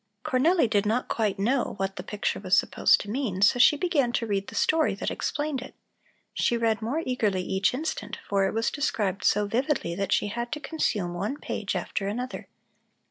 Cornelli did not quite know what the picture was supposed to mean, so she began to read the story that explained it. She read more eagerly each instant, for it was described so vividly that she had to consume one page after another.